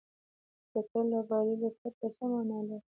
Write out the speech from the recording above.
ګټل له بایللو پرته څه معنا لري.